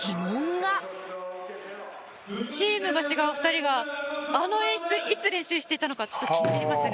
チームが違う２人があの演出いつ練習していたのかちょっと気になりますね。